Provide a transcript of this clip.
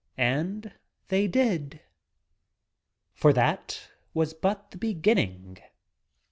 And they did. For that was but the beginning.